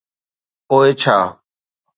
پوءِ ڇا.